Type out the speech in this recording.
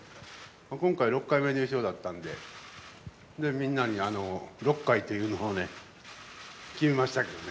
今回、６回目の優勝だったのでみんなに６回というのを決めましたって。